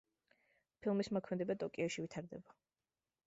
ფილმის მოქმედება ტოკიოში ვითარდება.